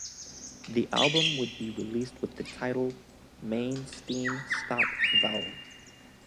The album would be released with the title "Main Steam Stop Valve".